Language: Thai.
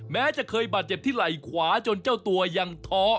แม้จะเคยบาดเจ็บที่ไหล่ขวาจนเจ้าตัวยังท้อ